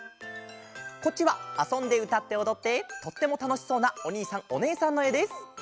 こっちはあそんでうたっておどってとってもたのしそうなおにいさんおねえさんのえです。